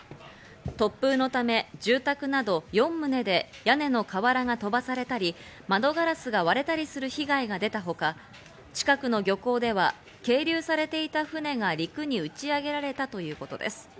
突風のため住宅など４棟で屋根の瓦が飛ばされたり、窓ガラスが割れたりする被害が出たほか、近くの漁港では係留されていた船が陸に打ち上げられたということです。